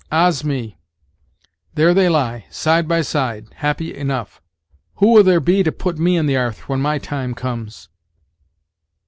Ah's me! there they lie, side by side, happy enough! Who will there be to put me in the 'arth when my time comes?"